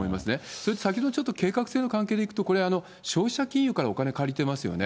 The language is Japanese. それと先ほど計画性の関係でいくと、これ、消費者金融からお金借りてますよね。